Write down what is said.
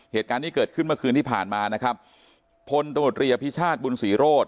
เหตุการณ์ที่เกิดขึ้นเมื่อคืนที่ผ่านมานะครับพลตมตรีอภิชาติบุญศรีโรธ